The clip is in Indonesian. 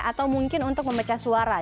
atau mungkin untuk memecah suara